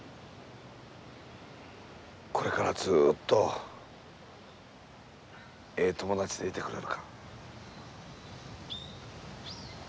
これからずっとええ友達でいてくれるか？